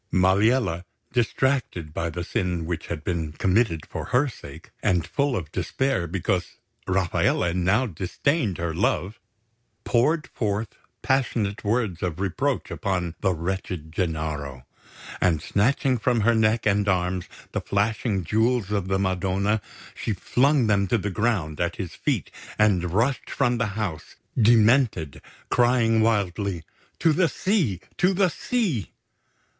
Maliella, distracted by the sin which had been committed for her sake, and full of despair because Rafaele now disdained her love, poured forth passionate words of reproach upon the wretched Gennaro; and snatching from her neck and arms the flashing Jewels of the Madonna, she flung them to the ground at his feet and rushed from the house, demented, crying wildly: "To the sea! To the sea!"